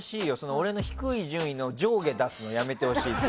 俺の低い順位の上下出すのやめてほしいって。